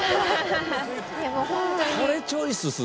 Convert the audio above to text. これチョイスするの？